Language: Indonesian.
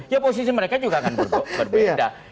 ya posisi mereka juga akan berbeda